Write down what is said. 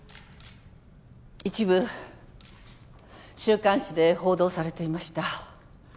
一部週刊誌で報道されていました。